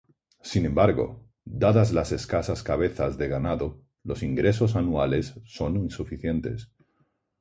Sin embargo, dadas las escasas cabezas de ganado, los ingresos anuales son insuficientes.